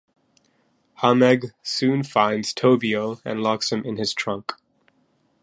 Hamegg soon finds Tobio and locks him in his trunk.